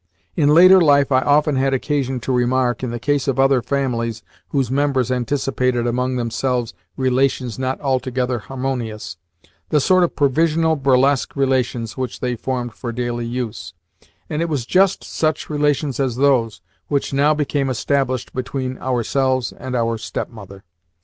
In later life I often had occasion to remark, in the case of other families whose members anticipated among themselves relations not altogether harmonious, the sort of provisional, burlesque relations which they formed for daily use; and it was just such relations as those which now became established between ourselves and our stepmother.